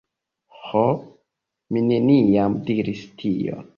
Ho, mi neniam diris tion.